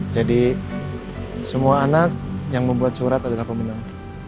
jadi semua anak yang membuat surat adalah pemenang